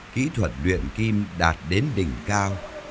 kỹ thuật luyện kim đạt đến đỉnh cao